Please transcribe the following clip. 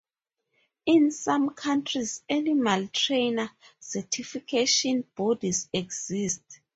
In some countries animal trainer certification bodies exist.